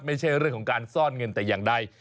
ไม่ใช่เรื่องของการซ่อนเงินแต่อย่างใด